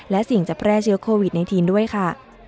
และสิ่งจะแพร่เชื้อโควิดในทีนด้วยค่ะ